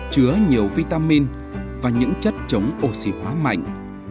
chứa nhiều vitamin và những chất chống oxy hóa mạnh